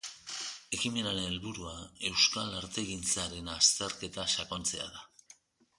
Ekimenaren helburua euskal artegintzaren azterketa sakontzea da.